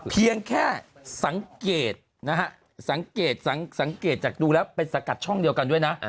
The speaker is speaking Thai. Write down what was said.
เพียงแค่สังเกตนะฮะสังเกตสังเกตจากดูแล้วเป็นสังกัดช่องเดียวกันด้วยนะ